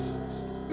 tidak ada yang nganjur